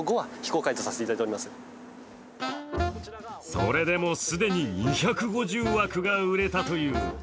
それでも既に２５０枠が売れたという。